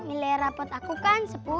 nilai rapot aku kan